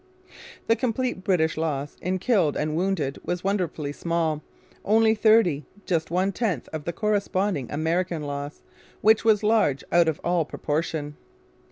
The complete British loss in killed and wounded was wonderfully small, only thirty, just one tenth of the corresponding American loss, which was large out of all proportion.